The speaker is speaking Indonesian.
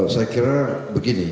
saya kira begini